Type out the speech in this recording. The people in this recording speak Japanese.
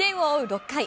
６回。